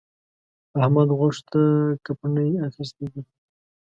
احمد؛ غوښو ته کپڼۍ اخيستی دی.